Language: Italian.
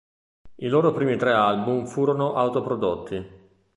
I loro primi tre album furono autoprodotti.